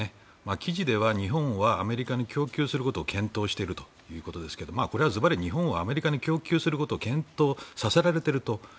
記事では日本はアメリカに供給することを検討しているということですがこれはずばり日本はアメリカに供給することを検討させられていると。